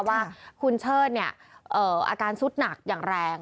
ว่าคุณเชิญเนี้ยเอ่ออาการสุดหนักอย่างแรง